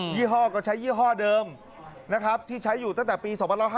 ี่ห้อก็ใช้ยี่ห้อเดิมนะครับที่ใช้อยู่ตั้งแต่ปี๒๕๕๙